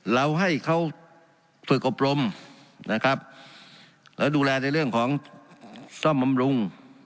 เราให้เขาฝึกอบรมนะครับแล้วดูแลในเรื่องของซ่อมบำรุง